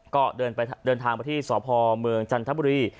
ก็เดินทางไปที่สพเมืองจันทบุรี